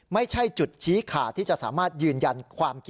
ไม่ใช่จุดชี้ขาด